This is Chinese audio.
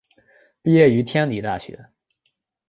毕业于天理大学。